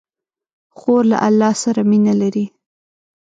خور له الله سره مینه لري.